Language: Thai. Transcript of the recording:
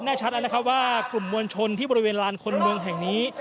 แน่ชัดแล้วนะครับว่ากลุ่มมวลชนที่บริเวณลานคนเมืองแห่งนี้